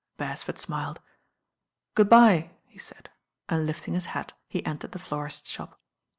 . Beresford smiled "Good bye," he said, and lift mg his hat he entered the aorist's shop.